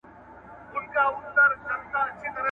خر پر لار که، خپله چار که.